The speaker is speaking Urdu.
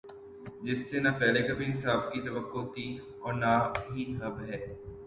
جس سے نا پہلے کبھی انصاف کی توقع تھی اور نا ہی اب ہے